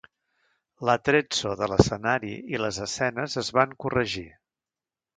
L'atrezzo de l'escenari i les escenes es van corregir.